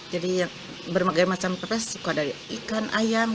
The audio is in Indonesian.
jadi bermagian macam pepes suka dari ikan ayam